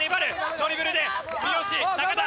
ドリブルで三好田。